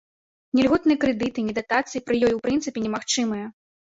Ні льготныя крэдыты, ні датацыі пры ёй у прынцыпе немагчымыя.